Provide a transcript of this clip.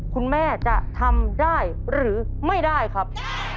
คุณแม่จะทำได้หรือไม่ได้ครับ